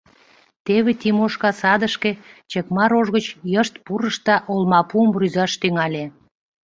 Теве Тимошка садышке чыкма рож гыч йышт пурыш да олмапуым рӱзаш тӱҥале.